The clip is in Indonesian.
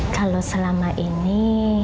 kalau selama ini